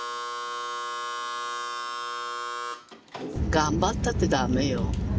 頑張ったってダメよ。